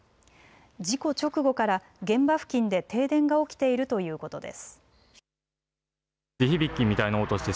事故直後から現場付近で停電が起きているということです。